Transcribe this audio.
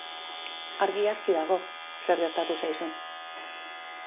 Argi aski dago zer gertatu zaizun.